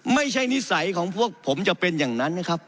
นิสัยของพวกผมจะเป็นอย่างนั้นนะครับ